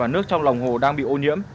nước trong lòng hồ đang bị ô nhiễm